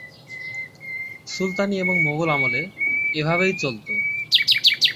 সুলতানি এবং মোগল আমলে এভাবেই চলতো।